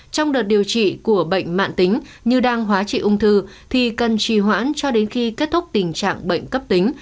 trong đợt điều trị của bệnh mạng tính như đang hóa trị ung thư thì cần trì hoãn cho đến khi kết thúc tình trạng bệnh cấp tính